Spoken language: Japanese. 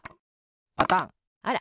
パタンあら。